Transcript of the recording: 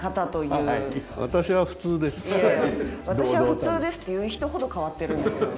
いやいや「私は普通です」って言う人ほど変わってるんですよ。